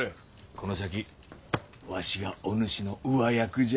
この先わしがお主の上役じゃ。